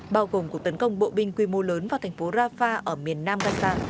bao gồm cuộc tấn công bộ binh quy mô lớn vào thành phố rafah ở miền nam gaza